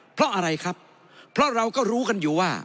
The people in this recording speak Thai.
เพราะอะไรครับเพราะเราก็รู้กันอยู่ว่า